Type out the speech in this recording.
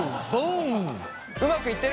うまくいってる？